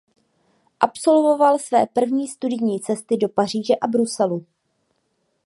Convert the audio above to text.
Absolvoval své první studijní cesty do Paříže a Bruselu.